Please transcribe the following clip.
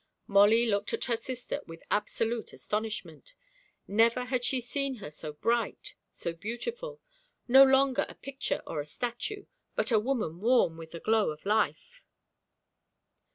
Molly looked at her sister with absolute astonishment. Never had she seen her so bright, so beautiful no longer a picture or a statue, but a woman warm with the glow of life.